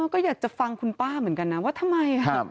ก็อยากจะฟังคุณป้าเหมือนกันนะว่าทำไม